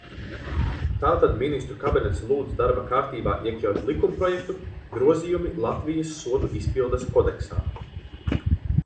"Tātad Ministru kabinets lūdz darba kārtībā iekļaut likumprojektu "Grozījumi Latvijas Sodu izpildes kodeksā"."